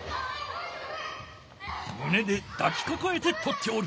むねでだきかかえてとっておる。